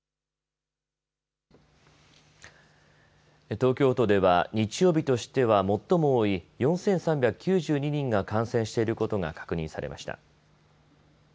東京都では日曜日としては最も多い４３９２人が感染していることが確認されました。